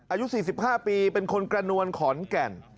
อายุ๔๕ปีเป็นคนกระนวลขอนแก่น